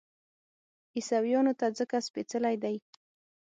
عیسویانو ته ځکه سپېڅلی دی.